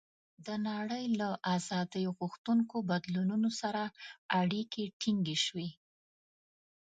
د نړۍ له آزادۍ غوښتونکو بدلونونو سره اړیکې ټینګې شوې.